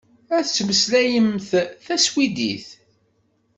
Ad temmeslayemt taswidit.